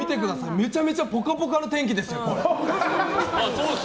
めちゃめちゃポカポカの天気ですよ。